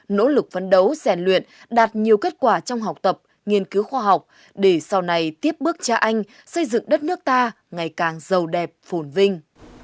nỗ lực phấn đấu rèn luyện đạt nhiều kết quả trong học tập nghiên cứu khoa học để sau này tiếp bước cha anh xây dựng đất nước ta ngày càng giàu đẹp phồn vinh